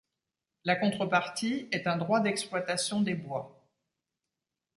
La contrepartie est un droit d'exploitation des bois.